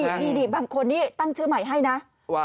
นี่บางคนนี่ตั้งชื่อใหม่ให้นะ